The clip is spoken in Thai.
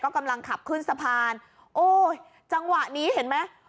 กำลังขับขึ้นสะพานโอ้ยจังหวะนี้เห็นไหม